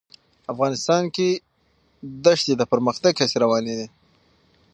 افغانستان کې د ښتې د پرمختګ هڅې روانې دي.